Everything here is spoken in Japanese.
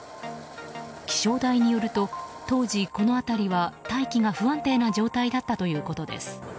気象台によると当時、この辺りは大気が不安定な状態だったということです。